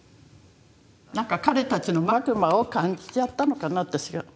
なんか彼たちのマグマを感じちゃったのかな私が。